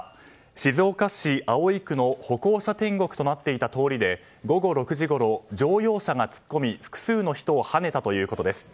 静岡市葵区の歩行者天国となっていた通りで午後６時ごろ、乗用車が突っ込み複数の人をはねたということです。